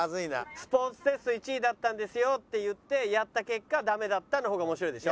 「スポーツテスト１位だったんですよ」って言ってやった結果ダメだったの方が面白いでしょ。